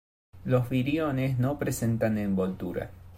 Los viriones no presentan envoltura.